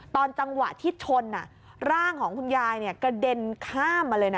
ตอนจังหวะที่ชนร่างของคุณยายกระเด็นข้ามมาเลยนะ